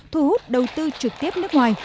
thu hút đầu tư trực tiếp nước ngoài